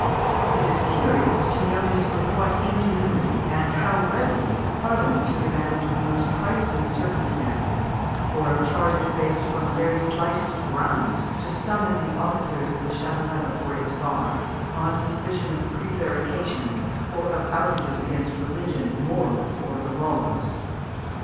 ] It is curious to notice with what ingenuity and how readily Parliament took advantage of the most trifling circumstances or of charges based upon the very slightest grounds to summon the officers of the Châtelet before its bar on suspicion of prevarication or of outrages against religion, morals, or the laws.